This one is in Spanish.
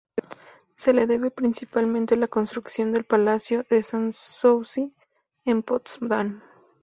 Se le debe principalmente la construcción del "Palacio de Sanssouci", en Potsdam.